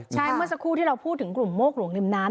ใช่เมื่อสักครู่ที่เราพูดถึงกลุ่มโมกหลวงริมน้ำ